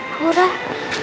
aku harus kerja lagi